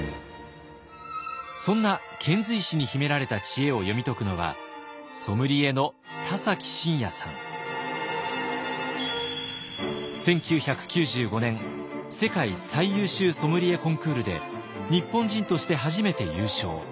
そんな遣隋使に秘められた知恵を読み解くのは１９９５年世界最優秀ソムリエコンクールで日本人として初めて優勝。